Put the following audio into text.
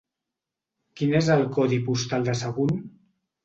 Quin és el codi postal de Sagunt?